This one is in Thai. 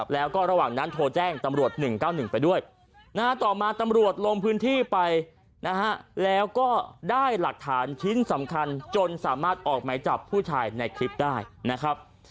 แล้วก็ระหว่างนั้นโทรแจ้งตำรวจ๑๙๑ไปด้วยต่อมาตำรวจลงพื้นที่ไปนะฮะแล้วก็ได้หลักฐานชิ้นสำคัญจนสามารถออกไหมจับผู้ชายในคลิปได้นะครับ